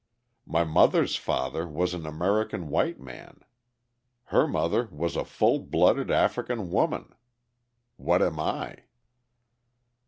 My mother's father was an American white man. Her mother was a full blooded African woman. What am I?"